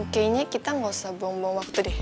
kayaknya kita gak usah buang buang waktu deh